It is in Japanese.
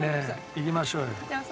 行きましょうよ。